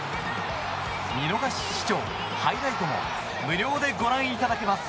見逃し視聴、ハイライトも無料でご覧いただけます。